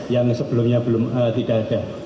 yang sebelumnya tidak ada